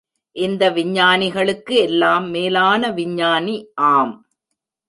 இந்த விஞ்ஞானிகளுக்கு எல்லாம் மேலான விஞ்ஞானி, ஆம்!